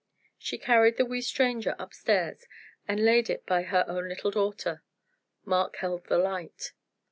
She carried the wee stranger up stairs and laid it by her own little daughter. Mark held the light.